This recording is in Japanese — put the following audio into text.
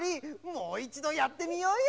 もういちどやってみようよ！